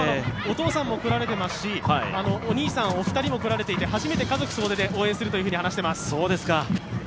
お父さんも来られていますしお兄さん、２人も来られていて初めて、家族総出で応援すると話しています。